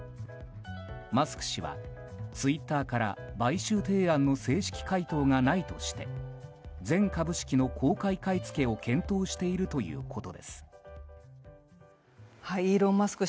マスク氏はツイッターから買収提案の正式回答がないとして全株式の公開買い付けを検討しているということです。イーロン・マスク